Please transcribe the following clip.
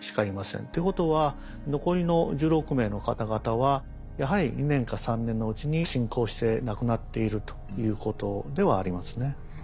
ということは残りの１６名の方々はやはり２年か３年のうちに進行して亡くなっているということではありますね。